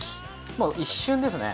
もう一瞬ですね。